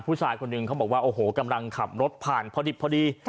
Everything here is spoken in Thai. ผู้ชายคนหนึ่งเขาบอกว่าโอ้โหกำลังขับรถผ่านพอดิบพอดี